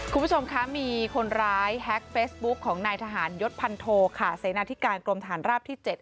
คุณผู้ชมคะมีคนร้ายแฮ็กเฟซบุ๊คของนายทหารยศพันโทค่ะเสนาธิการกรมฐานราบที่๗